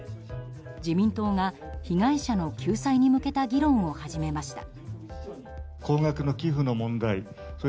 自民党が被害者の救済に向けた議論を始めました。